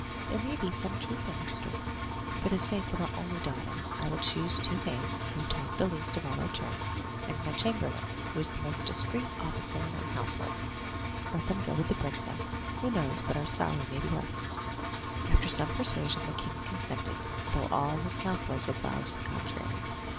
There may be some truth in his story. For the sake of our only daughter, I will choose two maids who talk the least of all our train, and my chamberlain, who is the most discreet officer in our household. Let them go with the princess; who knows but our sorrow may be lessened?" After some persuasion the king consented, though all his councillors advised the contrary.